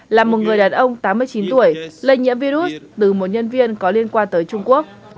là một người đàn ông tám mươi chín tuổi lây nhiễm virus từ một nhân viên có liên quan tới trung quốc